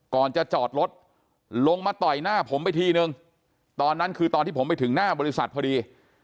ก่อนจะจอดรถลงมาต่อยหน้าผมไปทีนึงตอนนั้นคือตอนที่ผมไปถึงหน้าบริษัทพอดี